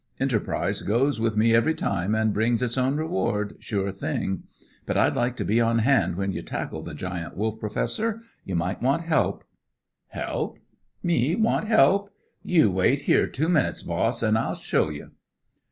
Enterprise goes with me every time, an' brings its own reward sure thing. But I'd like to be on hand when you tackle the Giant Wolf, Professor. You might want help." "Help! Me want help! You wait here two minutes, boss, an' I'll show you."